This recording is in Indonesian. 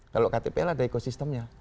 kalau ktpl ada ekosistemnya